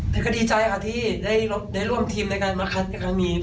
แต่ก็ดีใจค่ะที่ได้ร่วมทีมในการมาคัดในครั้งนี้